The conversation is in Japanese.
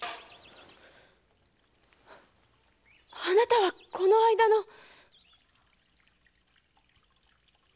あなたはこの間の！